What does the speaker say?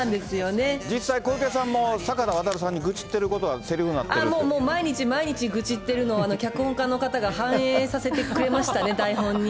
実際、小池さんもさかたわたるさんにぐちってることが、せりふになってもう毎日毎日、愚痴ってるのを、脚本家の方が反映させてくれましたね、台本に。